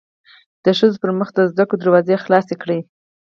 د ښځو پرمخ د زده کړو دروازې خلاصې کړی